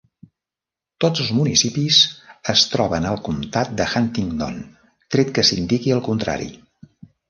Tots els municipis es troben al comtat de Huntingdon, tret que s'indiqui el contrari.